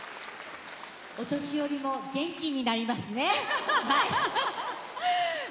お年寄りも元気になりますね。